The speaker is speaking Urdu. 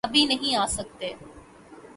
ابھی نہیں آسکتے۔۔۔